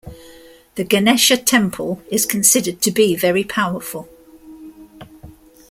The Ganesha temple is considered to be very powerful.